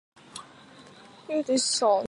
其余两份皆保存至今。